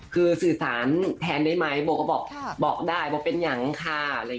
คือสื่อสารแทนได้ไหมโบก็บอกได้ว่าเป็นอย่างค่ะ